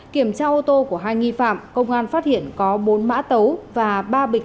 kiểm tra ô tô của hai nghi phạm công an phát hiện có bốn mã tấu và ba bịch